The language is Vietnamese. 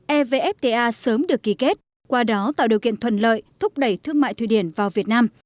evfta sớm được ký kết qua đó tạo điều kiện thuận lợi thúc đẩy thương mại thụy điển vào việt nam